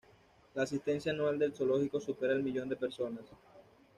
La asistencia anual del zoológico supera el millón de personas.